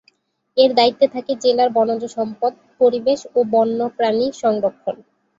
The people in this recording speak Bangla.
এঁর দায়িত্বে থাকে জেলার বনজ সম্পদ, পরিবেশ ও বন্যপ্রাণী সংরক্ষণ।